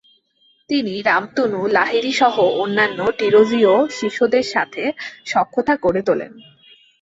তিনি রামতনু লাহিড়ীসহ অন্যান্য ডিরোজিও শিষ্যদের সাথে সখ্যতা গড়ে তোলেন।